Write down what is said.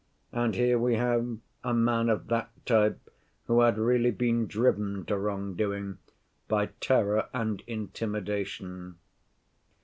And here we have a man of that type who had really been driven to wrong‐doing by terror and intimidation.